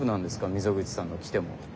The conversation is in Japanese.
溝口さんが来ても。